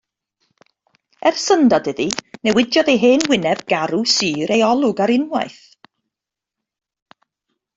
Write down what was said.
Er syndod iddi newidiodd ei hen wyneb, garw, sur ei olwg ar unwaith.